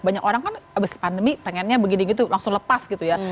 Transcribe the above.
banyak orang kan abis pandemi pengennya begini gitu langsung lepas gitu ya